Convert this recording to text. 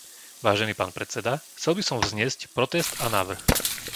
Vážený pán predseda, chcel by som vzniesť protest a návrh.